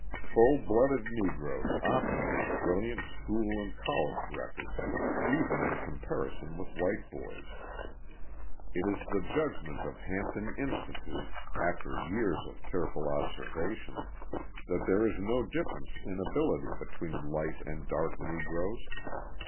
Full blooded Negroes often make brilliant school and college records, even in comparison with white boys. It is the judgment of Hampton Institute, after years of careful observation, that there is no difference in ability between light and dark Negroes.